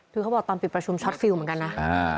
คือเขาบอกตอนปิดประชุมช็อตฟิลลเหมือนกันนะ